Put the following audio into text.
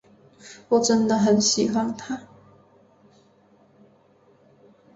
我真的很喜欢他。